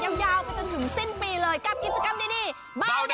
ใช่ยาวไปจนถึงสิ้นปีเลยกล้ามกิจกรรมดี